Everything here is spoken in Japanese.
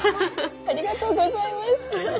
ありがとうございます。